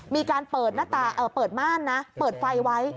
มีการเปิดม่านนะเปิดไฟไว้